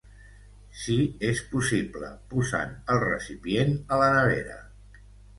Si és possible, posant el recipient a la nevera.